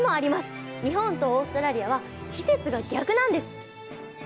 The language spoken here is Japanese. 日本とオーストラリアは季節が逆なんです。